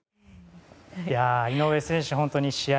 井上選手、本当に試合